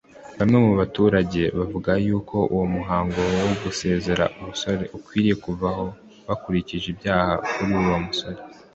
Bamwe mu baturage bavuga y’uko uwo muhango wo gusezera ubusore ukwiye kuvaho bakurikije ibyabaye kuri uwo musore